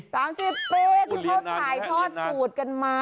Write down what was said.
สามสี่ปีคือเค้าถ่ายทอดสูดกันมา